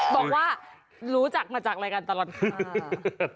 บอกว่ารู้จักมาจากรายการตลอดข่าว